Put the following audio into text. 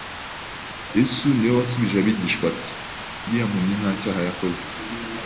Yesu ni we wasubije abigishwa ati iriya mpumyi nta cyaha yakoze